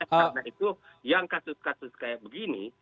karena itu yang kasus kasus kayak begini